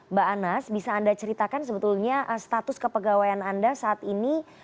mbak anas bisa anda ceritakan sebetulnya status kepegawaian anda saat ini